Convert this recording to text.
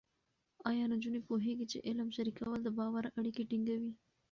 ایا نجونې پوهېږي چې علم شریکول د باور اړیکې ټینګوي؟